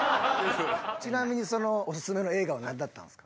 ちなみにそのおすすめの映画はなんだったんですか？